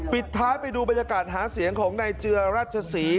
ปิดท้ายไปดูบรรยากาศหาเสียงของนายเจือรัชศรี